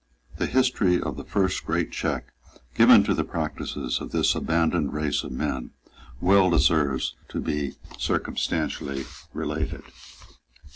The history of the first great check given to the practices of this abandoned race of men well deserves to be circumstantially related.